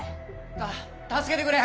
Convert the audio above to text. た助けてくれ！